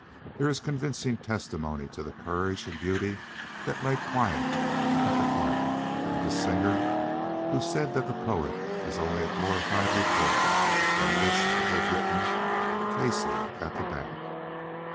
There is convincing testimony to the courage and beauty that lay quiet at the heart of this singer who said that the poet is only a glorified reporter, and wished he had written "Casey at the Bat."